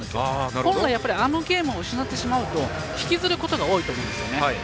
本来、あのゲームを失ってしまうと引きずることが多いと思うんですよね。